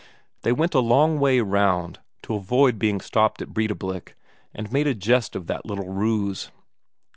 They went a long way round to avoid being stopped at Breidablik, and made a jest of that little ruse.